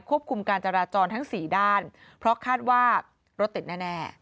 คุมการจราจรทั้งสี่ด้านเพราะคาดว่ารถติดแน่